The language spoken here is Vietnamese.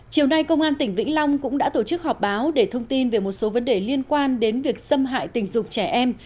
chiều nay công an tỉnh vĩnh long cũng đã tổ chức họp báo để thông tin về một số vấn đề liên quan đến việc xâm hại tình dục trẻ em